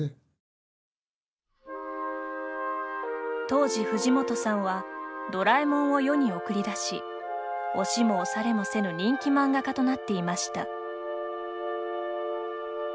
当時、藤本さんは「ドラえもん」を世に送り出し押しも押されもせぬ人気漫画家となっていました。